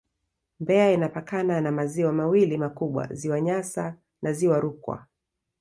Mbeya inapakana na maziwa mawili makubwa Ziwa Nyasa na Ziwa Rukwa